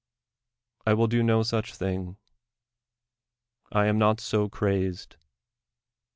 I will do no such thing ; I am not so crazed.